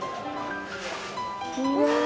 うん！